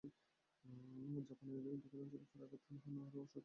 জাপানের দক্ষিণাঞ্চলে ফের আঘাত হানা আরও শক্তিশালী ভূমিকম্পে কমপক্ষে সাতজন নিহত হয়েছে।